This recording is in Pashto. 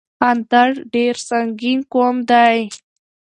اندړ ډير سنګين قوم دی